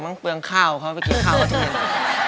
มันเปลืองข้าวเขาไปกินข้าวเขาที่นี่